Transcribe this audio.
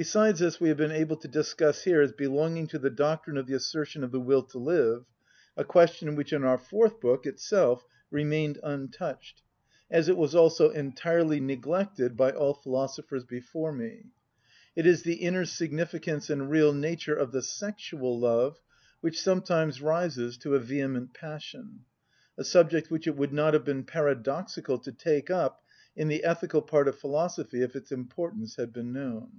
Besides this we have been able to discuss here, as belonging to the doctrine of the "assertion of the will to live," a question which in our fourth book itself remained untouched, as it was also entirely neglected by all philosophers before me: it is the inner significance and real nature of the sexual love, which sometimes rises to a vehement passion—a subject which it would not have been paradoxical to take up in the ethical part of philosophy if its importance had been known.